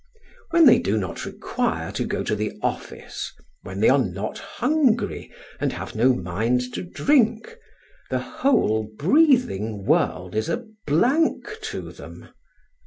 When they do not require to go to the office, when they are not hungry and have no mind to drink, the whole breathing world is a blank to them.